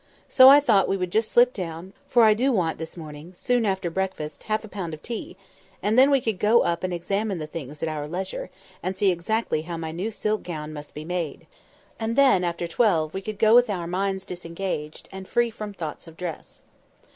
So I thought we would just slip down—for I do want this morning, soon after breakfast half a pound of tea—and then we could go up and examine the things at our leisure, and see exactly how my new silk gown must be made; and then, after twelve, we could go with our minds disengaged, and free from thoughts of dress."